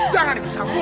jangan ikut campur